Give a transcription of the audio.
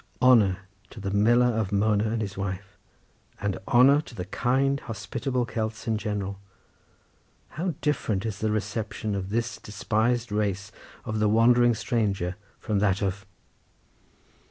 Honour to the miller of Mona and his wife; and honour to the kind hospitable Celts in general! How different is the reception of this despised race of the wandering stranger from that of —.